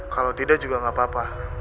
kalau tidak juga nggak apa apa